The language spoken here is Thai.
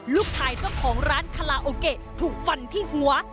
ลูกชายเจ้าของร้านคาลาโอเกะถูกฟันที่หัว